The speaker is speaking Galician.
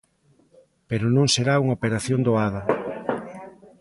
Pero non será unha operación doada.